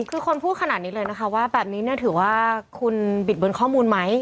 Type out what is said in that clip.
คือคนพูดขนาดนี้เลยนะคะว่าแบบนี้เนี่ยถือว่าคุณบิดเบือนข้อมูลไหม